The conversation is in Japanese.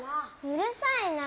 うるさいな。